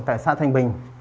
tại xã thanh bình